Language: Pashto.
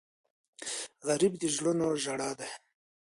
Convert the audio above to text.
غریب د زړونو ژړا دی